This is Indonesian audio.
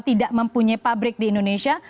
tidak mempunyai pabrik di indonesia